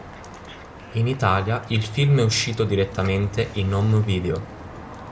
In Italia il film è uscito direttamente in Home Video.